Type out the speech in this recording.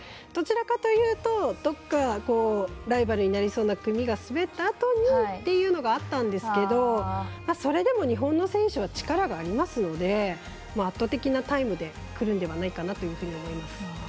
どちらかというとどこかライバルになりそうな国が滑ったあとにというのがあったんですけどそれでも、日本の選手は力がありますので圧倒的なタイムでくるんではないかなというふうに思います。